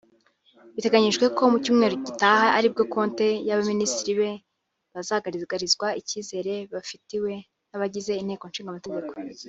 Biteganyijwe ko mu cyumweru gitaha aribwo Conte n’abaminisitiri be bazagaragarizwa icyizere bafitiwe n’abagize inteko ishinga amategeko